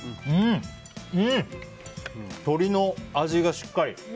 鶏の味がしっかり。